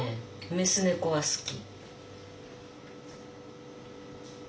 メス猫は好き。